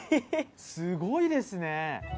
すごいですね！